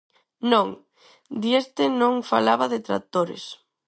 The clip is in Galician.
Non, Dieste non falaba de tractores.